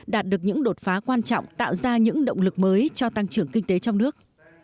đạt được những đột phá quan trọng tạo ra những động lực mới cho tăng trưởng kinh tế trong nước